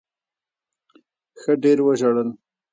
ښه ډېر وژړل.